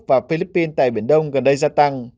và philippines tại biển đông gần đây gia tăng